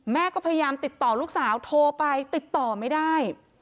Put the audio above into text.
แม่ก็พยายามติดต่อลูกสาวโทรไปติดต่อไม่ได้